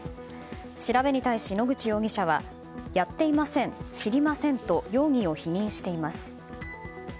調べに対し、野口容疑者はやっていません、知りませんと容疑を否認しています。